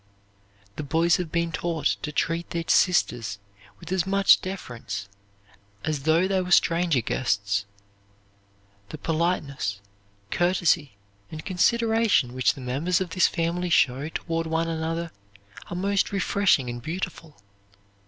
The boys have been taught to treat their sisters with as much deference as though they were stranger guests. The politeness, courtesy, and consideration which the members of this family show toward one another are most refreshing and beautiful.